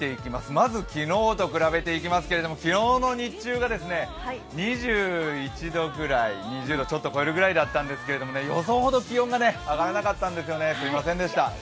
まず昨日と比べていきますけれども、昨日の日中が２１度ぐらい、２０度ちょっと超えるくらいだったんですけれども、予想ほど気温が上がらなかったんですよね、すみませんでした。